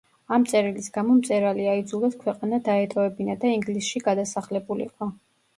ამ წერილის გამო მწერალი აიძულეს ქვეყანა დაეტოვებინა და ინგლისში გადასახლებულიყო.